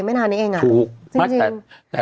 ไม่นานนี้เองครับ